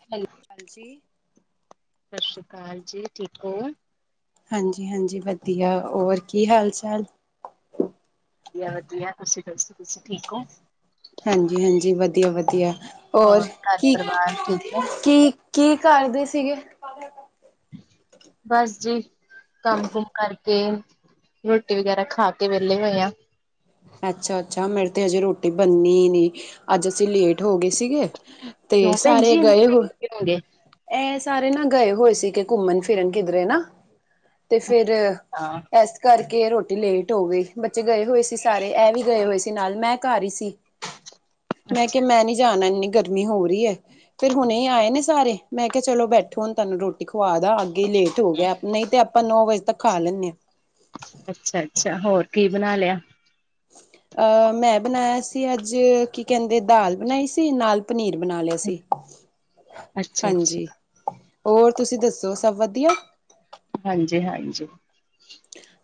Hello, ਹਾਂਜੀ। ਸਤਿ ਸ਼੍ਰੀ ਅਕਾਲ ਜੀ, ਠੀਕ ਹੋ? ਹਾਂਜੀ-ਹਾਂਜੀ ਵਧੀਆ ਹੋਰ ਕੀ ਹਾਲ- ਚਾਲ? ਵਧੀਆ-ਵਧੀਆ ਤੁਸੀਂ ਦੱਸੋ ਤੁਸੀਂ ਠੀਕ ਹੋ? ਹਾਂਜੀ-ਹਾਂਜੀ, ਵਧੀਆ-ਵਧੀਆ ਹੋਰ ਘਰ ਕੀ, ਪਰਿਵਾਰ ਠੀਕ ਹੈ ਕੀ। ਕੀ ਕਰਦੇ ਸੀਗੇ? ਕਰ ਲਿਆ ਕੰਮ ਫੇਰ। ਬਸ ਜੀ, ਕੰਮ- ਕੁਮ ਕਰਕੇ। ਰੋਟੀ ਵਗੈਰਾ ਖਾ ਕੇ ਵਿਹਲੇ ਹੋਏ ਆ। ਅੱਛਾ- ਅੱਛਾ ਮੇਰੇ ਤੇ ਹਜੇ ਰੋਟੀ ਬਣਨੀ ਨੀ, ਅੱਜ ਅਸੀਂ ਲੇਟ ਹੋ ਗਏ ਸੀਗੇ। ਤੇ ਕਿਉਂ ਭੈਣ ਸਾਰੇ ਜੀ ਗਏ ਹੋਣ। ਇੰਨੇ ਹੋਗੇ ਇਹ ਸਾਰੇ ਨਾ ਗਏ ਹੋਏ ਸੀ, ਕਿ ਘੁੰਮਣ ਫਿਰਨ ਕਿਧਰੇ ਨਾ। ਤੇ ਫੇਰ ਅੱਛਾ ਇਸ ਕਰਕੇ ਰੋਟੀ ਲੇਟ ਹੋ ਗਈ, ਬੱਚੇ ਗਏ ਹੋਏ ਸੀ ਸ- ਸਾਰੇ ਇਹ ਵੀ ਗਏ ਹੋਏ ਸੀ ਨਾਲ ਮੈਂ ਘਰ ਹੀ ਸੀ, ਮੈਂ ਅੱਛਾ ਕਿਹਾ ਮੈਂ ਨੀ ਜਾਣਾ ਇੰਨੀ ਗਰਮੀ ਚ। ਇੰਨੀ ਹੋ ਰਹੀ ਹੈ। ਫੇਰ ਹੁਣੇ ਈ ਆਏ ਨੇ ਸਾਰੇ, ਮੈਂ ਕਿਹਾ ਚਲੋ ਬੈਠੋ ਹੁਣ ਤਹਾਨੂੰ ਰੋਟੀ ਖੁਵਾ ਦ ਅੱਗੇ ਹੀ ਲੇਟ- ਹੋ ਗਿਆ, ਨਹੀਂ ਤੇ ਆਪਾਂ ਨੌ ਵਜੇ ਤੱਕ ਖਾ ਲੈਂਨੇ ਆ। ਅੱਛਾ- ਅੱਛਾ ਹੋਰ ਕੀ ਬਣਾ ਲਿਆ? ਅਹ ਮੈਂ ਬਣਾਇਆ ਸੀ ਅੱਜ, ਕੀ ਕਹਿੰਦੇ ਦਾਲ ਬਣਾਈ ਸੀ ਨਾਲ, ਪਨੀਰ ਬਣਾ ਲਿਆ ਸੀ, ਅੱਛਾ ਹਾਂਜੀ। ਅੱਛਾ ਹੋਰ ਤੁਸੀਂ ਦੱਸੋ, ਸਭ ਵਧੀਆ? ਹਾਂਜੀ- ਹਾਂਜੀ।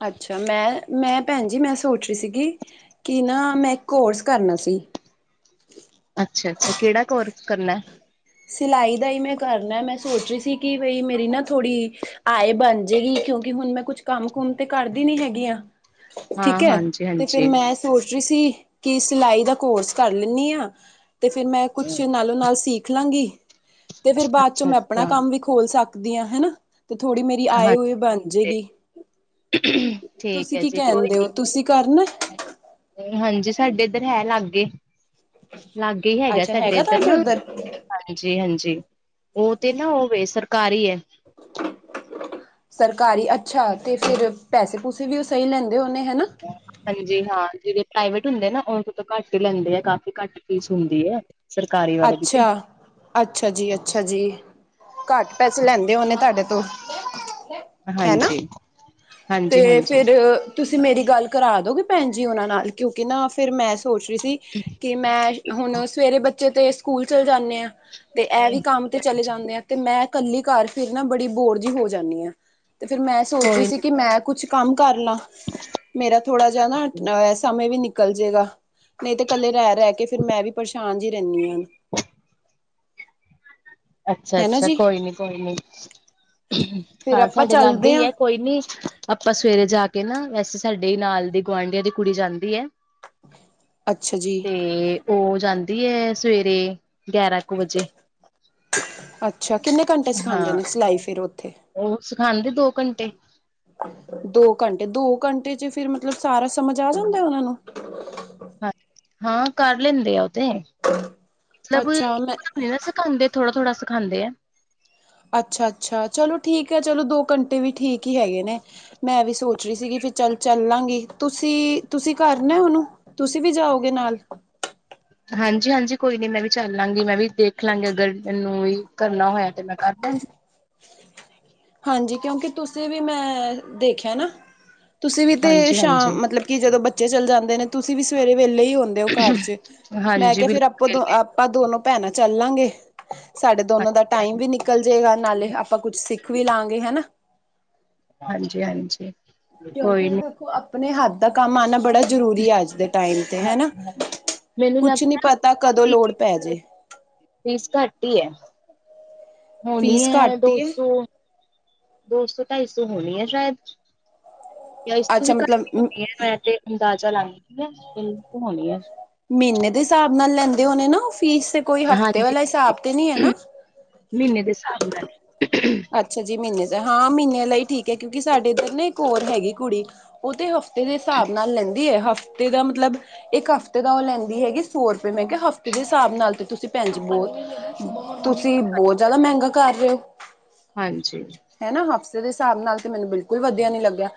ਅੱਛਾ ਮੈਂ, ਮੈਂ ਭੈਣ ਜੀ ਮੈਂ ਸੋਚ ਰਹੀ ਸੀਗੀ। ਕਿ ਨਾ ਮੈਂ ਕੋਰਸ ਕਰਨਾ ਸੀ। ਅੱਛਾ- ਅੱਛਾ ਕਿਹੜਾ ਕੋਰਸ ਕਰਨਾ ਏ? ਸਿਲਾਈ ਦਾ ਹੀ ਮੈਂ ਕਰਨਾ, ਮੈਂ ਸੋਚ ਰਹੀ ਸੀ ਕਿ ਬਈ ਮੇਰੀ ਨਾ ਥੋੜੀ- ਆਏ ਬਣ ਜਾਏਗੀ, ਕਿਉਂਕਿ ਹੁਣ ਮੈਂ ਕੁਛ ਕੰਮ ਕੁਮ ਤੇ ਕਰਦੀ ਨੀ ਹੈਗੀਆਂ। ਹਾਂ ਠੀਕ ਹੈ, ਹਾਂਜੀ ਤੇ ਹਾਂਜੀ ਫੇਰ ਮੈਂ- ਸੋਚ ਰੀ ਸੀ, ਕਿ ਸਿਲਾਈ ਦਾ ਕੋਰਸ ਕਰ ਲੈਂਨੀ ਆਂ। ਤੇ ਫਿਰ ਮੈਂ ਕੁਛ ਨਾਲੋਂ ਨਾਲ ਸੀਖ ਲਾਂਗੀ, ਤੇ ਫਿਰ ਬਾਅਦ ਚੋਂ ਅੱਛਾ ਮੈਂ ਅੱਛਾ ਅਪਣਾ ਕੰਮ ਵੀ ਖੋਲ ਸਕਦੀ ਆਂ ਹਨਾ, ਤੇ ਥੋੜ੍ਹੀ ਮੇਰੀ ਆਏ ਹਾਂਜੀ ਹੋਏ ਬਣ ਜਾਏਗੀ। ਠੀਕ ਤੁਸੀਂ ਹੈ ਕੀ ਜੀ ਕੋਈ ਕੈਂਦੇ, ਨੀ ਹੋ ਤੁਸੀਂ ਕਰਨਾ। ਹਾਂਜੀ ਸਾਡੇ ਏਧਰ ਹੈ ਲਾਗੇ, ਲਾਗੇ ਹੀ ਹੈਗਾ ਅੱਛਾ ਸਾਡੇ ਏਦਰ ਤੁਹਾਡੇ ਨਾ। ਉੱਧਰ ਹਾਂਜੀ-ਹਾਂਜੀ, ਓਤੇ ਨਾ ਓਵੇ ਸਰਕਾਰੀਐ। ਸਰਕਾਰੀ ਅੱਛਾ, ਤੇ ਫੇਰ ਪੈਸੇ-ਪੂਸੇ ਵੀ ਉਹ ਸਹੀ ਲੈਂਦੇ ਹੋਨੇ ਹਨਾਂ। ਹਾਂਜੀ ਹਾਂ, ਜੇੜੇ ਪ੍ਰਾਈਵੇਟ ਹੁੰਦੇ ਨਾ ਓਦੇ ਤੋਂ ਘੱਟ ਹੀ ਲੈਂਦੇ ਆ ਕਾਫੀ ਘੱਟ ਫੀਸ ਹੁੰਦੀ ਐ। ਸਰਕਾਰੀ ਵਾਲੇ ਦੀ ਤੇ ਅੱਛਾ। ਅੱਛਾ ਜੀ-ਅੱਛਾ ਜੀ, ਘੱਟ ਪੈਸੇ ਲੈਂਦੇ ਹੋਣੇ ਤੁਆਡੇ ਤੋਂ। ਹੈਨਾ, ਤੇ ਹਾਂਜੀ-ਹਾਂਜੀ-ਹਾਂਜੀ ਫੇਰ ਤੁਸੀਂ ਮੇਰੀ ਗੱਲ ਕਰਾ ਦੋਗੇ, ਭੈਣ ਜੀ ਓਨਾਂ ਨਾਲ ਕਿਉਂਕਿ ਨਾ ਫਿਰ ਮੈਂ ਸੋਚ ਰਹੀ ਸੀ ਕਿ ਮੈਂ ਹੁਨ ਸਵੇਰੇ ਬੱਚੇ ਤੇ ਸਕੂਲ ਚਲੇ ਜਾਂਨੇ ਆਂ, ਤੇ ਐ ਵੀ ਕੰਮ ਤੇ ਚਲੇ ਜਾਂਨੇ ਆ। ਤੇ ਮੈਂ ਕੱਲੀ ਘਰ ਫਿਰ ਨਾ ਬੜੀ ਬੋਰ ਜੀ ਹੋ ਜਾਂਨੀ ਹਾਂ, ਤੇ ਫਿਰ ਮੈਂ ਸੋਚ ਰਹੀ ਕੋਈ ਸੀ ਨੀ ਕਿ ਮੈਂ ਕੁਛ ਕੰਮ ਕਰਲਾਂ, ਮੇਰਾ ਥੋੜਾ ਜੇਆ ਨਾ ਸਮੇਂ ਵੀ ਨਿਕਲ ਜੇਗਾ, ਨਈਂ ਤੇ ਕੱਲੇ ਰੈ-ਰੈ ਕੇ ਫੇਰ ਮੈਂ ਵੀ ਪਰੇਸ਼ਾਨ ਜੀ। ਜਾਨੀਆਂ। ਅੱਛਾ-ਅੱਛਾ, ਕੋਈ ਨੀ ਕੋਈ ਨੀ। ਫਿਰ ਹਾਂ ਆਪਾਂ ਸਾਡੇ ਲਾਗੇ ਚੱਲਦੇ ਹਾਂ ਈਐ, ਕੋਈ ਨੀ। ਆਪਾਂ ਸਵੇਰੇ ਜਾ ਕੇ ਨਾ, ਵੈਸੇ ਸਾਡੇ ਨਾਲ ਦੀ ਗੁਆਂਢੀਆਂ ਦੀ ਕੁੜੀ ਜਾਂਦੀ ਐ। ਅੱਛਾ ਜੀ। ਤੇ ਓ ਜਾਂਦੀ ਐ ਸਵੇਰੇ, ਗਿਆਰਾਂ ਕੁ ਵਜੇ। ਅੱਛਾ ਕਿੰਨੇ ਘੰਟੇ ਸਿਖਾਂਦੇ ਨੇ ਸਿਲਾਈ ਫੇਰ ਓਥੇ? ਓ ਸਿਖਾਂਦੇ ਦੋ ਘੰਟੇ ਦੋ ਘੰਟੇ, ਦੋ ਘੰਟੇ ਚ ਫਿਰ ਮਤਲਬ ਸਾਰਾ ਸਮਝ ਆ ਜਾਂਦਾ ਓਨਾਂ ਨੂੰ? ਹਾਂ, ਹਾਂ ਕਰ ਲੈਂਦੇ ਆ ਓਤੇ ਮਤਲਬ ਅੱਛਾ ਮੈਂ [unintelligible] ਖਾਂਦੇ ਥੋੜਾ-ਥੋੜਾ ਸੀਖਾਂਦੇ ਆ। ਅੱਛਾ-ਅੱਛਾ ਚਲੋ ਠੀਕੈ ਚਲੋ ਦੋ ਘੰਟੇ ਵੀ ਠੀਕ ਹੀ ਹੈਗੇ ਨੇ ਮੈਂ ਵੀ ਸੋਚ ਰੀ ਸੀਗੀ ਫੇਰ ਚੱਲ ਚੱਲਾਂਗੀ ਤੁਸੀਂ ਤੁਸੀਂ ਕਰਨਾ ਓਨੂੰ ਤੁਸੀਂ ਵੀ ਜਾਓਗੇ ਨਾਲ? ਹਾਂਜੀ-ਹਾਂਜੀ ਕੋਈ ਨੀ ਮੈਂ ਵੀ ਚੱਲ ਲਾਂਗੀ। ਮੈਂ ਵੀ ਦੇਖ ਲਾਂਗੀ ਅਗਰ ਮੈਨੂੰ ਵੀ ਕਰਨਾ ਹੋਇਆ ਤੇ ਮੈਂ ਕਰ ਲਾਂਗੀ। ਹਾਂਜੀ, ਕਿਉਂਕਿ ਤੁਸੀਂ ਵੀ ਮੈਂ ਦੇਖੇਆ ਨਾ ਤੁਸੀ ਵੀ ਤੇ ਹਾਂਜੀ-ਹਾਂਜੀ, ਸ਼ਾਮ ਮਤਲਬ ਕਿ ਜਦੋਂ ਬੱਚੇ ਚੱਲ ਜਾਂਦੇ ਨੇ ਤੁਸੀਂ ਵੀ ਸਵੇਰੇ ਵੇਲੇ ਈ ਹੁੰਦੇਓ ਘਰ ਚ ਹਾਂਜੀ ਮੈਂ ਹਾਂਜੀ ਕਿਹਾ ਫੇਰ ਬਿਲਕੁਲ ਓਦੋ ਆਪਾਂ ਦੋਨੋ ਭੈਣਾਂ ਚੱਲਾਂਗੇ ਸਾਡੇ ਦੋਨੋ ਦਾ ਟਾਈਮ ਵੀ ਨ ਨਿਕਲ ਜੇਗਾ ਨਾਲੇ, ਆਪਾਂ ਕੁਛ ਸਿੱਖ ਵੀ ਲਾਂਗੇ, ਹਨਾ। ਹਾਂਜੀ-ਹਾਂਜੀ। ਕੋਈ ਕਿਉਂਕਿ ਨੀ। ਦੇਖੋ ਅਪਨੇ ਹੱਥ ਦਾ ਕੰਮ ਆਣਾ ਬੜਾ ਜਰੂਰੀ ਐ ਅੱਜ ਦੇ ਟਾਈਮ ਤੇ ਹਨਾ, ਹਾਂਜੀ-ਹਾਂਜੀ। ਮੈਨੂੰ ਕੁਛ ਨੀ ਲੱਗਦਾ ਪਤਾ ਕਦੋਂ ਲੋੜ ਪੈਜੇ। ਫੀਸ ਘੱਟ ਈਐ। ਹੋਣੀ ਫੀਸ ਐ ਘੱਟ ਦੋ ਈ ਏ ਸੌ, ਦੋ ਸੌ ਢਾਈ ਸੌ ਹੋਣੀਐ ਸ਼ੈਦ। ਯਾਂ ਇਸ ਤੋਂ ਵੀ ਅੱਛਾ ਮਤਲਬ ਘੱਟ ਹੋਣੀ ਐ। ਮੈਂ ਤੇ ਅੰਦਾਜ਼ਾ ਲਾਂਦੀ ਹੋਣੀਆਂ। ਮੀਨੇ ਦੇ ਹਿਸਾਬ ਨਾਲ ਲੈਂਦੇ ਹੋਣੇ ਨਾ ਓ ਫੀਸ ਕੋਈ ਹਫਤੇ ਵਾਲੇ ਹਿਸਾਬ ਤੇ ਨਈਂ ਐਨਾ? ਮੀਨੇ ਦੇ ਸਾਬ ਨਾਲ। ਅੱਛਾ ਜੀ, ਮੀਨੇ ਚ ਹਾਂ ਮੀਨੇ ਲਈਈ ਠੀਕੈ, ਕਿਉਂਕਿ ਸਾਡੇ ਐਦਰ ਨਾ ਇੱਕ ਹੋਰ ਹੈਗੀ ਕੁੜੀ ਓਤੇ ਹ ਤੇ ਦੇ ਸਾਬ ਨਾਲ ਲੈਂਦੀਐ, ਹਫਤੇ ਦਾ ਮਤਲਬ ਇੱਕ ਹਫਤੇ ਦਾ ਓ ਲੈਂਦੀ ਹੈਗੀ ਸੌ ਰੁਪਏ ਮੈ ਕਿਹਾ ਹਫ਼ਤੇ ਦੇ ਹਿਸਾਬ ਨਾਲ ਤੇ ਤੁਸੀਂ ਪੈਜੀ, ਤੁਸੀ ਬਹੁਤ ਜ਼ਿਆਦਾ ਮਹਿੰਗਾ ਘਰ ਹਾਂਜੀ ਹਨਾ ਹਫਸਤੇ ਦੇ ਹਿਸਾਬ ਨਾਲ ਤੇ ਮੈਨੂੰ ਬਿਲਕੁਲ ਵਧੀਆ ਨੀ ਲੱਗਿਆ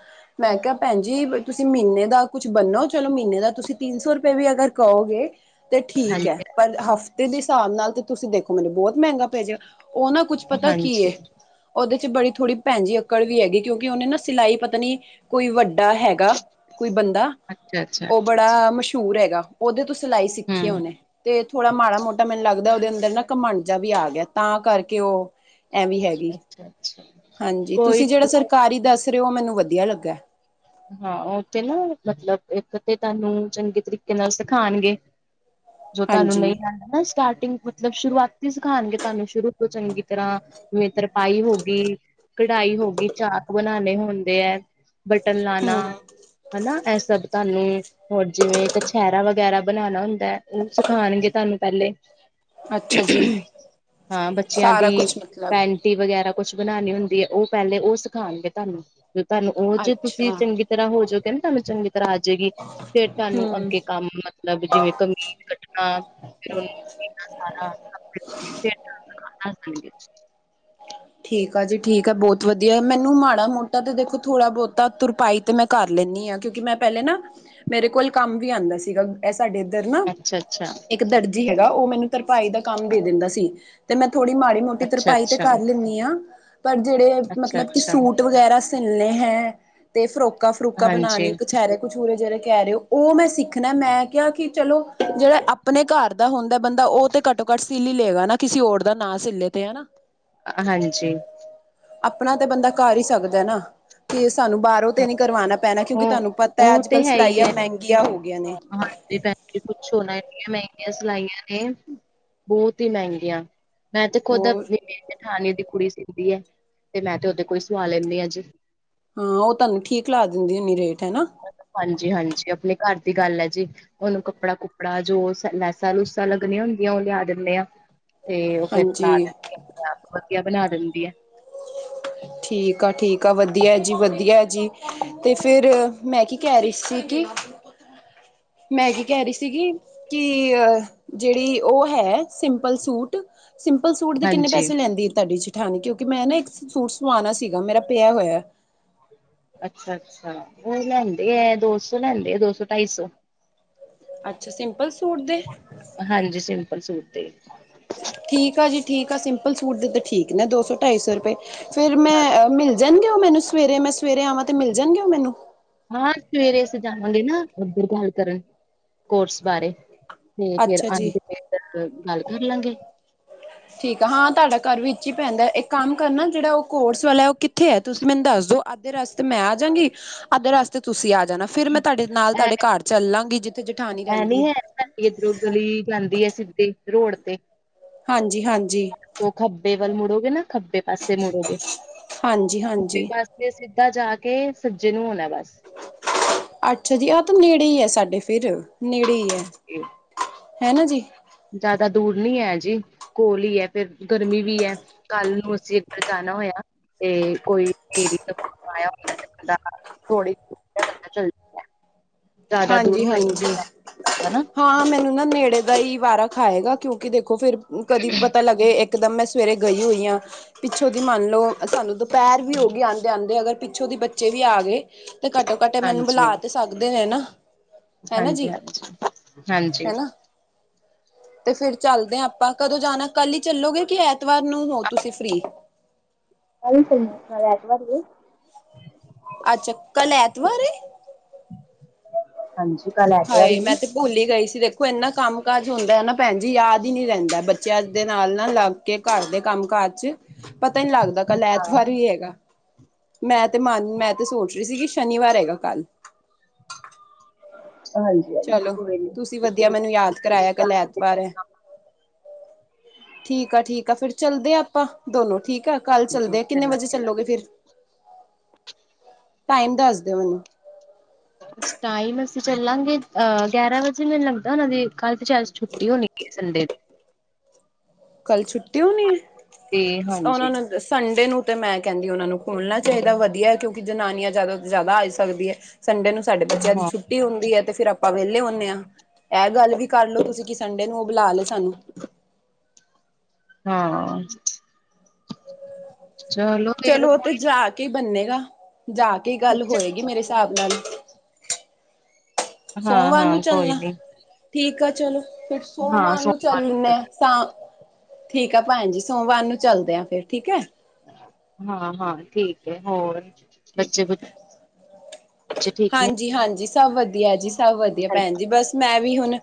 ਮੈਂ ਕਿਹਾ ਭੈਣ ਜੀ ਤੁਸੀ ਮਹੀਨੇ ਦਾ ਕੁਛ ਬੰਨੋ ਚਲੋ ਮਹੀਨੇ ਦਾ ਤੁਸੀਂ ਤਿੰਨ ਸੌ ਰੁਪਏ ਵੀ ਅਗਰ ਕਹੋਗੇ ਤੇ ਠੀਕ ਹੈ, ਪਰ ਹਫ਼ਤੇ ਦੇ ਹਿਸਾਬ ਨਾਲ ਤੇ ਤੁਸੀਂ ਦੇਖੋ ਮੈਨੂੰ ਬਹੁਤ ਮਹਿੰਗਾ ਪੈ ਜਾਣਾ ਉਹ ਨਾ ਕੁਝ ਪਤਾ ਕੀ ਏ ਹਾਂਜੀ ਉਹਦੇ ਚ ਬੜੀ ਥੋੜ੍ਹੀ ਭੈਜੀ ਅਕੜ ਵੀ ਹੈਗੀ ਕਿਉਂਕਿ ਉਹਨੇ ਨਾ ਸਿਲਾਈ ਪਤਾ ਨੀ ਕੋਈ ਵੱਡਾ ਹੈਗਾ ਕੋਈ ਬੰਦਾ, ਅੱਛਾ ਅੱਛਾ ਉਹ ਬੜਾ ਮਸ਼ਹੂਰ ਹੈਗਾ ਉਹਦੇ ਤੋਂ ਸਿਲਾਈ ਸਿੱਖੀ ਆ ਹਮ ਉਹਨੇ ਤੇ ਥੋੜਾ ਮਾੜਾ ਮੋਟਾ ਮੈਨੂੰ ਲੱਗਦਾ ਉਹਦੇ ਅੰਦਰ ਨਾ ਘਮੰਡ ਜਿਆ ਵੀ ਆ ਗਿਆ ਤਾਂ ਕਰਕੇ ਉਹ ਐਵੇਂ ਹੈਗੀ ਅੱਛਾ -ਅੱਛਾ ਹਾਂਜੀ ਕੋਈ ਤੁਸੀਂ ਜਿਹੜਾ ਸਰਕਾਰੀ ਦੱਸ ਰਹੇ ਹੋ ਮੈਨੂੰ ਵਧੀਆ ਲਗਾ ਹਾਂ ਉਥੇ ਨਾ ਮਤਲਬ ਇਕ ਤੇ ਤੁਹਾਨੂੰ ਚੰਗੇ ਤਰੀਕੇ ਨਾਲ ਸਿਖਾਉਣਗੇ ਹਾ ਜੋ ਤੁਹਾਨੂੰ ਨਹੀਂ ਆਉਂਦਾ ਨਾ ਸਟਾਰਟਿੰਗ ਮਤਲਬ ਸ਼ੁਰੂਆਤੀ ਸਿਖਾਉਣਗੇ ਤੁਹਾਨੂੰ ਸ਼ੁਰੂ ਤੋਂ ਚੰਗੀ ਤਰਾਂ ਜਿਵੇ ਤਰਪਾਈ ਹੋ ਗਈ, ਕਢਾਈ ਹੋ ਗਈ, ਚਾਕ ਬਣਾਉਣੇ ਹੁੰਦੇ ਹੈ ਕੱਟਣ ਲਾਣਾ, ਹੂੰ ਹਨਾ ਇਹ ਸਭ ਤੁਹਾਨੂੰ ਹੋਰ ਜਿਵੇਂ ਕਛਹਿਰਾ ਵਗੈਰਾ ਬਣਾਉਣਾ ਹੁੰਦਾ ਹੈ ਉਹ ਸਿਖਾਉਣਗੇ ਤੁਹਾਨੂੰ ਪਹਿਲੇ ਅੱਛਾ ਜੀ ਹਾਂ ਬੱਚਿਆਂ ਸਾਰਾ ਦੀ, ਕੁਛ ਮਤਲਬ ਪੈਨ ਟੀ ਵਗੈਰਾ ਕੁਛ ਬਣਾਉਣੀ ਹੁੰਦੀ ਹੈ ਉਹ ਪਹਿਲੇ ਉਹ ਸਿਖਾਉਣਗੇ ਤੁਹਾਨੂੰ, ਤੁਹਾਨੂੰ ਉਹ ਚ ਤੁਸੀ ਅੱਛਾ ਚੰਗੀ ਗੀ ਤਰ੍ਹਾਂ ਹੋ ਜੋ ਗੇ ਨ ਮੈਂ ਚੰਗੀ ਆ ਜਾਗੀ, ਫਿਰ ਤੁਹਾਨੂੰ ਹੂੰ ਅੱਗੇ ਕੰਮ ਮਤਲਬ ਜਿਵੇਂ ਕਮੀਜ਼ ਕਟਣਾ ਹਾਂ ਫਿਰ ਸਾਰਾ ਠੀਕ ਆ ਜੀ ਠੀਕ ਹੈ ਬਹੁਤ ਵਧੀਆ ਮੈਨੂੰ ਮਾੜਾ ਮੋਟਾ ਤੇ ਦੇਖੋ ਥੋੜਾ ਬਹੁਤਾ ਤੁਰਪਾਈ ਤੇ ਮੈ ਕਰ ਲੈਂਦੀ ਹਾਂ ਕਿਉਂਕਿ ਮੈਂ ਪਹਿਲੇ ਨਾ, ਮੇਰੇ ਕੋਲ ਕੰਮ ਵੀ ਆਉਂਦਾ ਸੀਗਾ ਸਾਡੇ ਇੱਧਰ ਨਾ ਅੱਛਾ ਅੱਛਾ ਇੱਕ ਇੱਕ ਦਰਜੀ ਹੈਗਾ ਉਹ ਮੈਨੂੰ ਤਰਪਾਈ ਦਾ ਕੰਮ ਦੇ ਦਿੰਦਾ ਸੀ, ਤੇ ਮੈਂ ਥੋੜੀ ਮਾੜੀ ਮੋਟੀ ਅੱਛਾ ਅੱਛਾ ਤਰਪਾਈ ਤੇ ਕਰ ਪਰ ਜਿਹੜੇ ਅੱਛਾ ਮਤਲਬ ਕਿ ਅੱਛਾ ਸੂਟ ਵਗੈਰਾ ਸਿਲਣੇ ਹੈ ਤੇ ਫਰੋਕਾ- ਫਰੂਕਾ ਹਾਂਜੀ ਬਣਾਨੀ, ਕਛਹਿਰੇ ਕਛੂਰੇ ਜਿਹੜੇ ਕਹਿ ਰਹੇ ਓ ਉਹ ਮੈਂ ਸਿੱਖਣਾ ਮੈਂ ਕਿਹਾ ਕਿ ਚਲੋ ਜਿਹੜਾ ਆਪਣੇ ਘਰ ਦਾ ਹੁੰਦਾ ਬੰਦਾ ਉਹ ਤੇ ਘੱਟੋ-ਘੱਟ ਸੀਲ ਹੀ ਲਏਗਾ ਨਾ ਕਿਸੇ ਹੋਰ ਦਾ ਨਾਂ ਸੀਲੇ ਤੇ ਹਨਾ ਹਾਂਜੀ ਆਪਣਾ ਤਾਂ ਬੰਦਾ ਕਰ ਹੀ ਸਕਦਾ ਨਾ ਤੇ ਸਾਨੂੰ ਬਾਹਰੋ ਤੇ ਹਾਂ ਨੀ ਕਰਵਾਉਣਾ ਪੈਣਾ ਕਿਉਂਕਿ ਉਹ ਤੁਹਾਨੂੰ ਪਤਾ ਉਹ ਤੇ ਅੱਜ-ਕੱਲ ਹੈ ਹੀ ਸਿਲਾਈਆਂ ਹੈ ਮਹਿੰਗੀਆਂ ਹੋ ਗਈਆਂ ਨੇ ਹਾਂਜੀ ਭੈਣ ਜੀ ਪੁੱਛੋ ਨਾ ਇੰਨੀਆ ਮਹਿੰਗੀਆ ਸਿਲਾਈਆ ਨੇ, ਬਹੁਤ ਹੀ ਮਹਿੰਗੀਆ ਮੈਂ ਤੇ ਖੁਦ ਹੋਰ ਆਪਨੀ ਜਠਾਣੀ ਦੀ ਕੁੜੀ ਸੀਦੀ ਐ ਤੇ ਮੈਂ ਤੇ ਉਦੇ ਕੋ ਈ ਸੁਵਾ ਲੈਣੀ ਆ ਜੀ ਹਾਂ ਉਹ ਤੁਹਾਨੂੰ ਠੀਕ ਲਾ ਦਿੰਦੀ ਹੋਣੀ ਰੇਟ ਹੈਨਾ ਹਾਂਜੀ -ਹਾਂਜੀ, ਆਪਣੇ ਘਰ ਦੀ ਗੱਲ ਏ ਜੀ ਉਹਨੂੰ ਕੱਪੜਾ-ਕੁਪੜਾ ਜੋ ਲੈਸਾਂ-ਲੂਸਾਂ ਲੱਗਣੀਆਂ ਹੁੰਦੀਆਂ ਉਹ ਲਿਆ ਦਿੰਨੇ ਆ ਤੇ ਉਹ ਫਿਰ ਹਾਂਜੀ ਬਣਾ ਦਿੰਦੀ ਏ, ਆਪਣੇ-ਆਪ ਵਧੀਆ ਬਣਾ ਦਿੰਦੀ ਐ [unintelligible] ਠੀਕ ਆ ਠੀਕ ਆ ਵਧੀਆ ਜੀ ਵਧੀਆ ਜੀ, ਤੇ ਫਿਰ ਮੈਂ ਕੀ ਕਹਿ ਰਹੀ ਸੀ ਕਿ ਮੈਂ ਕੀ ਕਹਿ ਰਹੀ ਸੀਗੀ ਕਿ ਅ ਜਿਹੜੀ ਉਹ ਹੈ ਸਿੰਪਲ-ਸੂਟ, ਸਿੰਪਲ-ਸੂਟ ਦੇ ਕਿੰਨੇ ਹਾਂਜੀ ਪੈਸੇ ਲੈਂਦੀ ਐ ਤੁਹਾਡੀ ਜਠਾਣੀ ਜੇਠਾਣੀ ਕਿਉਂਕਿ ਮੈਂ ਨਾ ਇੱਕ ਸੂਟ ਸਵਾਉਣਾ ਸੀਗਾ ਮੇਰਾ ਪਿਆ ਹੋਇਆ ਅੱਛਾ-ਅੱਛਾ, ਉਹ ਲੈਂਦੇ ਐ ਦੋ ਸੌ ਲੈਂਦੇ ਆ ਦੋ ਸੌ-ਢਾਈ ਸੌ। ਅੱਛਾ ਸਿੰਪ ਲ ਸੂਟ ਦੇ। ਹਾਂਜੀ, ਸਿੰਪਲ ਸੂਟ ਦੇ। ਠੀਕ ਆ ਜੀ ਠੀਕ ਆ, ਸਿੰਪਲ-ਸੂਟ ਦੇ ਤੇ ਠੀਕ ਨੇ ਦੋ ਸੌ-ਢਾਈ ਸੌ ਰੁਪਏ ਫੇਰ ਹਾਂ ਮੈਂ ਮਿਲ ਜਾਣਗੇ ਉਹ ਮੈਨੂੰ ਸਵੇਰੇ ਮੈਂ ਸਵੇਰੇ ਆਵਾਂ ਤੇ ਮਿਲ ਜਾਣਗੇ ਓ ਮੈਨੂੰ। ਹਾਂ ਸਵੇਰੇ ਅਸੀਂ ਜਾਵਾਂਗੇ ਨਾ ਉਧਰ ਗੱਲ ਕਰਨ ਕੋਰਸ ਬਾਰੇ ਤੇ ਫੇਰ ਅੱਛਾ ਆਦੇ ਜੀ ਤੱਕਰ ਗੱਲ ਕਰ ਲਾਂਗੇ। ਠੀਕ ਆ, ਹਾਂ ਤੁਹਾਡਾ ਘਰ ਵੀ ਵਿੱਚ ਈ ਪੈਂਦਾ ਇੱਕ ਕੰਮ ਕਰਨਾ ਜਿਹੜਾ ਉਹ ਕੋਰਸ ਵਾਲਾ ਉਹ ਕਿੱਥੇ ਐ ਤੁਸੀਂ ਮੈਨੂੰ ਦੱਸ ਦੋ ਅੱਧੇ ਰਸਤੇ ਮੈਂ ਆ ਜਾਗੀ ਅੱਧੇ ਰਸਤੇ ਤੁਸੀਂ ਆ ਜਾਣਾ, ਫੇਰ ਮੈਂ ਤੁਹਾਡੇ ਨਾਲ ਇਹ ਤੁਹਾਡੇ ਘਰ ਚੱਲਲਾਗੀ ਜਿ ਐ ਨੀ ਐ ਸਾਡੀ ਇਧਰੋਂ ਗਲੀ ਜਾਂਦੀ ਐ ਸਿੱਧੀ ਰੋਡ ਤੇ। ਹਾਂਜੀ-ਹਾਂਜੀ। ਓ ਖੱਬੇ ਵੱਲ ਮੁੜੋਗੇ ਨਾ ਖੱਬੇ ਪਾਸੇ ਮੁੜੋਗੇ, ਹਾਂਜੀ ਖੱਬੇ ਹਾਂਜੀ ਪਾਸੇ ਤੇ ਸਿੱਧਾ ਜਾ ਕੇ ਸੱਜੇ ਨੂੰ ਹੋਣਾ ਬਸ। ਅੱਛਾ ਜੀ ਐਹ ਤੇ ਨੇੜੇ ਈ ਐ ਸਾਡੇ ਫੇਰ ਨੇੜੇ ਈ ਐ। ਏ। ਹੈਨਾ ਜੀ। ਜ਼ਿਆਦਾ ਦੂਰ ਨੀ ਐ ਜੀ। ਕੋਲ ਈ ਐ ਫੇਰ, ਗਰਮੀ ਵੀ ਐ ਕੱਲ ਨੂੰ ਅਸੀਂ ਅਗਰ ਜਾਣਾ ਹੋਇਆ। ਤੇ ਕੋਈ [unintelligible] ਤਾਂ ਪਾਇਆ ਹੁੰਦਾ [unintelligible] ਥੋੜੀ [unintelligible] ਜ਼ਿਆਦਾ ਦੂਰ ਹੋਏ ਹਾਂਜੀ-ਹਾਂਜੀ ਹਨਾ ਹਾਂ ਮੈਨੂੰ ਨਾ ਨੇੜੇ ਦਾ ਈ ਵਾਰਾਂ ਖਾਏਗਾ, ਕਿਉਂਕਿ ਦੇਖੋ ਫਿਰ ਕਦੀ ਪਤਾ ਲੱਗ ਤੇ ਇੱਕਦਮ ਮੈਂ ਸਵੇਰੇ ਗਈ ਹੋਈ ਆ। ਪਿੱਛੋਂ ਦੀ ਮੰਨ ਲ‌ਓ ਤਾਨੂੰ ਦੁਪਹਿਰ ਵੀ ਹੋ ਗਈ, ਆਦੇ- ਆਦੇ ਅਗਰ ਪਿੱਛੋਂ ਦੀ ਬੱਚੇ ਵੀ ਆ ਗਏ ਤੇ ਘੱਟੋ-ਘੱਟ ਇਹ ਮੈਨੂੰ ਬੁਲਾ ਤੇ ਸਕਦੇ ਐ ਨਾ। ਹਨਾ ਜੀ ਹਾਂਜੀ-ਹਾਂਜੀ ਹਾਂਜੀ। ਹਨਾ ਤੇ ਫੇਰ ਚੱਲਦੇ ਆ ਆਪਾਂ, ਕਦੋਂ ਜਾਣਾ ਕੱਲ ਈ ਚੱਲੋਗੇ ਕਿ ਐਤਵਾਰ ਨੂੰ ਹੋ ਤੁਸੀਂ ਫ੍ਰਰੀ? ਕੱਲ ਨੂੰ ਸੰਡ--ਐਤਵਾਰ ਐ। ਅੱਛਾ, ਕੱਲ ਐਤਵਾਰ ਏ? ਹਾਂਜੀ ਕੱਲ ਐਤਵਾਰ ਹਾਏ ਹੀ ਹੈ ਮੈਂ ਤੇ ਭੁਲੀ ਈ ਗਈ ਸੀ, ਦੇਖੋ ਏਨਾ ਕੰਮ ਕਾਜ ਹੁੰਦਾ ਨਾ ਭੈਣਜੀ ਯਾਦ ਈ ਨੀ ਰਹਿੰਦਾ, ਬੱਚਿਆਂ ਦੇ ਨਾਲ ਨਾਲ ਆ ਕੇ ਘੱਰ ਦੇ ਕੰਮ ਕਾਜ ਚ ਪਤਾ ਈ ਨੀ ਲੱਗਦਾ ਕੱਲ ਹਾਂ ਹਾਂ ਐਤਵਾਰ ਵੀ ਹੈਗਾ। ਮੈਂ ਤੇ ਮਨ ਮੈਂ ਤੇ ਸੋਚ ਰੀ ਸੀਗੀ ਸ਼ਨੀਵਾਰ ਹੈਗਾ ਕੱਲ। ਹਾਂਜੀ ਹਾਂਜੀ ਚਲੋ, ਕੋਈ ਨੀ ਤੁਸੀਂ ਵਧੀਆ ਮੈਨੂੰ ਯਾਦ ਕਰਾਇਆ ਕੱਲ ਐਤਵਾਰ ਐ‌। ਠੀਕ ਆ ਠੀਕ ਆ ਫੇਰ ਚੱਲਦੇ ਆ ਅਪਾਂ ਦੋਨੋ ਠੀਕ ਆ। ਕੱਲ ਚੱਲਦੇ ਆਂ, ਕਿੰਨੇ ਵਜੇ ਚੱਲਾਂਗੇ ਚੱਲੋਗੇ ਫੇਰ? ਟਾਈਮ ਦੱਸ ਦੇਓ ਮੈਨੂੰ। ਬਸ ਟਾਇਮ ਅਸੀਂ ਚਲਾਂਗੇ ਅਹ ਗਿਆਰਾਂ ਵਜੇ ਮੈਨੂੰ ਲੱਗਦਾ ਓਨਾਂ ਦੇ ਕੱਲ ਤੇ ਛੈਦ ਛੁੱਟੀ ਹੋਣੀ ਏ ਸੰਡੇ ਦੀ। ਕੱਲ ਛੁੱਟੀ ਹੋਣੀ ਏ ਤੇ ਓਹਨਾਂ ਹਾਂਜੀ ਨੂੰ ਸੰਡੇ ਨੂੰ ਤੇ ਮੈਂ ਕੈੰਦੀ ਓਨਾਂ ਨੂੰ ਖੁਲਣਾ ਚਾਈਦਾ, ਵਧੀਆ ਐ ਕਿਉਂਕਿ ਜਨਾਨੀਆਂ ਜਿਆਦਾ ਤੋਂ ਜਿਆਦਾ ਆਏ ਸਕਦੀ ਐ। ਸੰਡੇ ਨੂੰ ਸਾਡੇ ਬੱਚਿਆਂ ਦੀ ਹਾਂ ਛੁੱਟੀ ਹੁੰਦੀ ਐ, ਤੇ ਫਿਰ ਅਪ ਆਪਾਂ ਵਿਹਲੇ ਹੁੰਨੇ ਆਂ, ਐਹ ਗੱਲ ਵੀ ਕਰ ਲੋ ਤੁਸੀਂ ਕਿ ਸੰਡੇ ਨੂੰ ਓਹ ਬੁਲਾ ਲੇ ਸਾਨੂੰ। ਹਾਂ, ਚਲੋ ਫੇਰ ਚਲੋ ਓ ਤੇ ਜਾ ਕੇ ਈ ਬੰਨੇਗਾ, ਜਾ ਕੇ ਈ ਗੱਲ ਹੋਏਗੀ ਮੇਰੇ ਸਾਬ ਨਾਲ। ਹਾਂ ਸੋਮਵਾਰ ਹਾਂ ਨੂੰ ਕੋਈ ਚੱਲਣਾ, ਨੀ ਠੀਕ ਆ ਚਲੋ ਫਿਰ ਹਾਂ ਸੋਮਵਾਰ ਨੂੰ ਚੱਲ ਲੇਨੇ ਸੋਮਵਾਰ ਆ ਸਾਂ ਠੀਕ ਆ ਭੈਣ ਜੀ ਸੋਮਵਾਰ ਨੂੰ ਚੱਲਦੇ ਆਂ ਫੇਰ ਠੀਕ ਐ। ਹਾਂ ਹਾਂ, ਠੀਕ ਐ ਹੋਰ ਠੀਕ ਬੱਚੇ ਐ। ਬੱਚੇ ਠੀਕ ਨੇ ਹਾਂਜੀ ਹਾਂਜੀ, ਸਭ ਵਧੀਆ ਜੀ ਸਭ ਵਧੀਆ, ਭੈਣ ਜੀ ਬਸ ਮੈਂ ਵੀ ਹੁਣ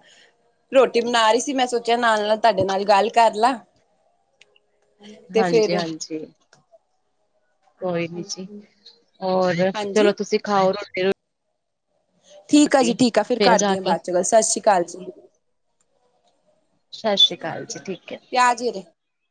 ਰੋਟੀ ਬਣਾ ਰੀ ਸੀ ਮੈਂ ਸੋਚਿਆ ਨਾਲ ਨਾਲ ਤਾਡੇ ਨਾਲ ਗੱਲ ਕਰ ਲਾ। ਤੇ ਹਾਂਜੀ, ਫਿਰ ਹਾਂਜੀ। ਕੋਈ ਨੀ ਜੀ, ਔਰ ਹਾਂਜੀ ਚਲੋ ਤੁਸੀਂ ਖਾਓ ਰੋਟੀ-ਰੂ ਠੀਕ ਆ ਜੀ ਠੀਕ ਆ, ਫਿਰ ਫੇਰ ਜਾ ਕਰਦੀ ਆ ਕੇ ਬਾਦ ਚ ਗੱਲ ਸਤ ਸ੍ਰੀ ਕਾਲ ਜੀ। ਸਤਿ ਸ੍ਰੀ ਅਕਾਲ ਜੀ ਠੀਕ ਹੈ ਪਿਆਜ ਚੀਰੇ